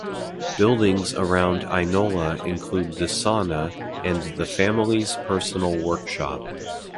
Buildings around Ainola include the sauna and the family's personal workshop.